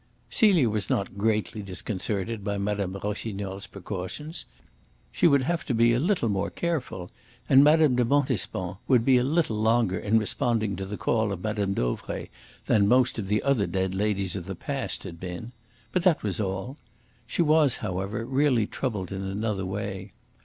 Celia was not greatly disconcerted by Mme. Rossignol's precautions. She would have to be a little more careful, and Mme. de Montespan would be a little longer in responding to the call of Mme. Dauvray than most of the other dead ladies of the past had been. But that was all. She was, however, really troubled in another way.